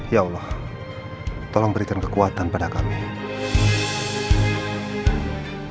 ya allah tolong berikan kekuatan pada kami